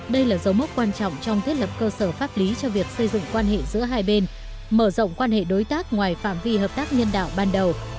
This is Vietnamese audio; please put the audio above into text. đây là dấu mốc quan trọng trong thiết lập cơ sở pháp lý cho việc xây dựng quan hệ giữa hai bên mở rộng quan hệ đối tác ngoài phạm vi hợp tác nhân đạo ban đầu